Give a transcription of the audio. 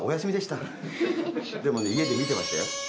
でも家で見てましたよ。